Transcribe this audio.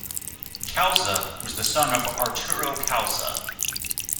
Calza was the son of Arturo Calza.